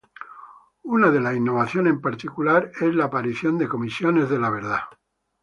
Una de las innovaciones en particular es la aparición de comisiones de la verdad.